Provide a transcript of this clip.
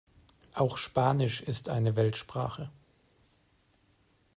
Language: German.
Auch Spanisch ist eine Weltsprache.